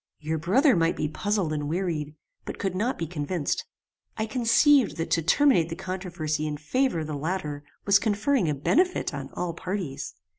Your brother might be puzzled and wearied, but could not be convinced. I conceived that to terminate the controversy in favor of the latter was conferring a benefit on all parties.